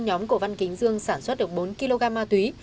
nhóm của văn kính dương sản xuất được bốn kg ma túy